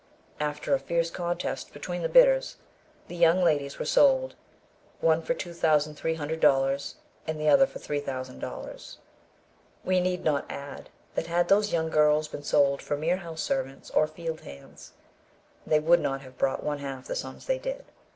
After a fierce contest between the bidders, the young ladies were sold, one for 2,300 dollars, and the other for 3,000 dollars. We need not add that had those young girls been sold for mere house servants or field hands, they would not have brought one half the sums they did.